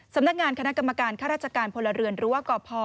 สำนักงานคณะกรรมการค่าราชการพลเรือนหรือว่ากพ